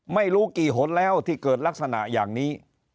ไม่รู้กี่หนแล้วที่เกิดลักษณะอย่างนี้